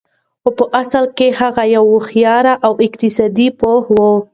خو په اصل کې هغه يو هوښيار اقتصاد پوه و.